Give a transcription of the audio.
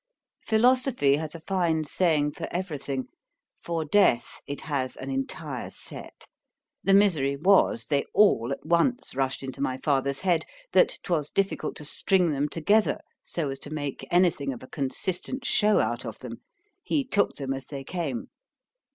Philosophy has a fine saying for every thing.—For Death it has an entire set; the misery was, they all at once rushed into my father's head, that 'twas difficult to string them together, so as to make any thing of a consistent show out of them.—He took them as they came.